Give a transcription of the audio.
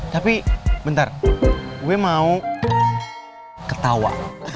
tapi bentar gue mau ketawa